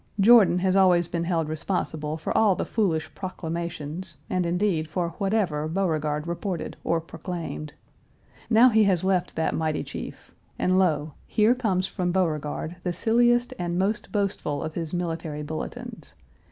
Jordan has always been held responsible for all the foolish proclamations, and, indeed, for whatever Beauregard reported or proclaimed. Now he has left that mighty chief, and, lo, here comes from Beauregard the silliest and most boastful of his military bulletins.